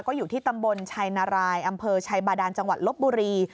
ก็อยู่ที่ตำบลชัยนารายอำเภอชัยบาดานจังหวัดลบบุรี